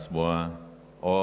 salam sejahtera bagi kita semua